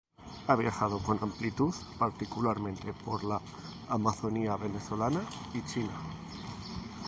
Ha viajado con amplitud, particularmente por la Amazonía venezolana y China.